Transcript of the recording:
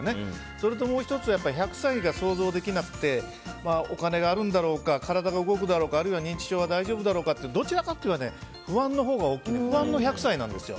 それと、もう１つ１００歳が想像できなくてお金があるんだろうか体が動くんだろうかあるいは認知症は大丈夫だろうかとかどちらかといえば不安のほうが大きくて不安の１００歳なんですよ。